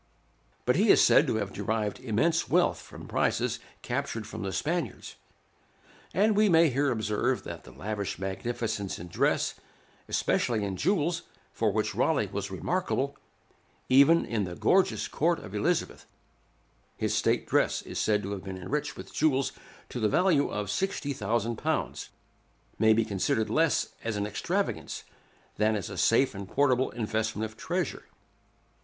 But he is said to have derived immense wealth from prizes captured from the Spaniards; and we may here observe that the lavish magnificence in dress, especially in jewels, for which Raleigh was remarkable, even in the gorgeous court of Elizabeth (his state dress is said to have been enriched with jewels to the value of £60,000), may be considered less as an extravagance, than as a safe and portable investment of treasure.